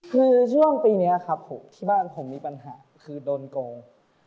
คือช่วงปีนี้ครับผมที่บ้านผมมีปัญหาคือโดนโกง